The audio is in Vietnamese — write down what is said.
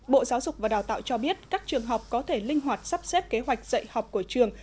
bộ giáo dục và đào tạo cho biết các trường học có thể linh hoạt sắp xếp kế hoạch dạy học của trường